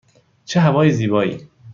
چه هوای زیبایی!